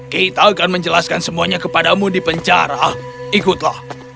kita akan menjelaskan semuanya kepadamu di penjara ikutlah